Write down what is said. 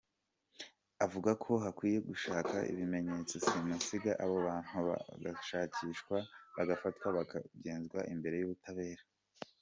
Avuga ko hakwiye gushakwa ibimenyetso simusiga abo bantu bagashakishwa bagafatwa bakagezwa imbere y’ubutabera.